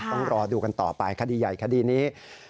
ต้องรอดูกันต่อไปคดีใหญ่คดีนี้